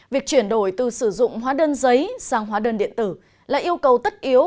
việc chuyển đổi từ sử dụng hóa đơn giấy sang hóa đơn điện tử là yêu cầu tất yếu